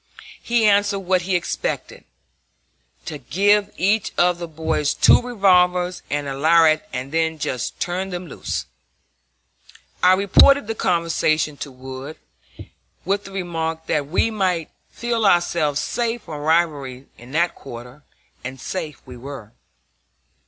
He answered that he expected "to give each of the boys two revolvers and a lariat, and then just turn them loose." I reported the conversation to Wood, with the remark that we might feel ourselves safe from rivalry in that quarter; and safe we were.